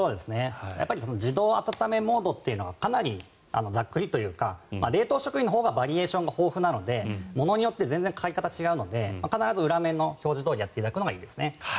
やっぱり自動温めモードというのはかなりざっくりというか冷凍食品のほうがバリエーションが豊富なので物によって全然違うので必ず裏面の表示どおりやっていただくのがいいですね。